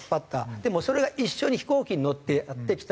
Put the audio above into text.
でもそれが一緒に飛行機に乗ってやって来た。